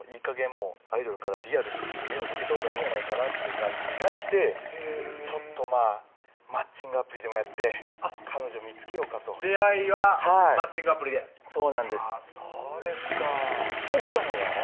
もうアイドルからリアルに目を向けたほうがいいんやないかなっていう感じになってちょっとまぁマッチングアプリでもやって彼女見つけようかと出会いはマッチングアプリでそうなんですそうですか奥さまは？